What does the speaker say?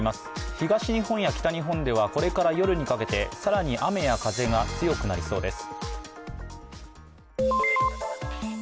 東日本や北日本ではこれから夜にかけて更に雨や風が強くなりそうです。